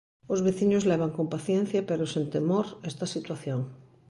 Os veciños levan con paciencia pero sen temor esta situación.